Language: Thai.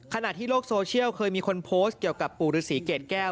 ขณะที่โลกโซเชียลเคยมีคนโพสต์เกี่ยวกับปู่ฤษีเกรดแก้ว